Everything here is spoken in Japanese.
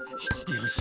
よし！